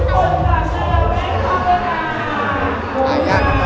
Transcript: พี่ดอยครับ